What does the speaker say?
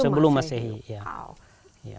sebelum masehi iya